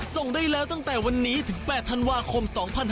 ส่งได้แล้วตั้งแต่วันนี้ถึง๘ธันวาคม๒๕๕๙